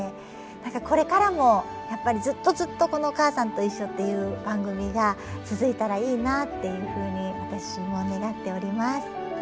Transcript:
これからもやっぱりずっとずっとこの「おかあさんといっしょ」っていう番組が続いたらいいなっていうふうに私も願っております。